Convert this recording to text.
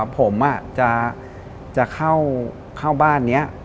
ผมจะเข้าบ้านนี้